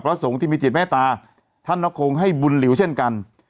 สงฆ์ที่มีจิตแม่ตาท่านก็คงให้บุญหลิวเช่นกัน